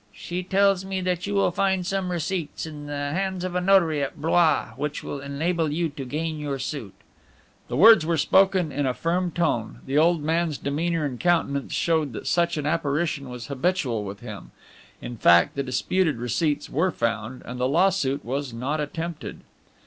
She tells me that you will find some receipts in the hands of a notary at Blois, which will enable you to gain your suit." The words were spoken in a firm tone; the old man's demeanor and countenance showed that such an apparition was habitual with him. In fact, the disputed receipts were found, and the lawsuit was not attempted.